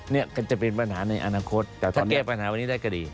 นี่ก็จะเป็นปัญหาในอนาคตแต่ถ้าแก้ปัญหาวันนี้ได้ก็ดี